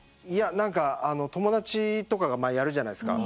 友達とかがやるじゃないですか。